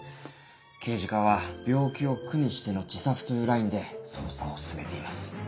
刑事課は病気を苦にしての自殺というラインで捜査を進めています。